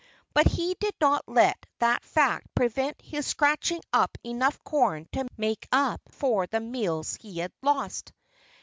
But he did not let that fact prevent his scratching up enough corn to make up for the meals he had lost.